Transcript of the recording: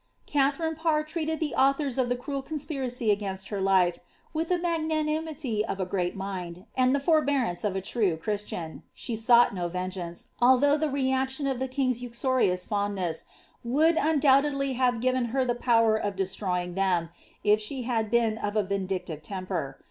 "* Katharine Parr treated the authors of the cruel conspiracy against her life, witli tlie magnanimity of a great mind, and the forbearance of a true Christian. She sought no vengeance, although the reaction of tlie king's uxorious fondness would undoubtedly have given her the power of destroying them, if she had been of a vindictive temper.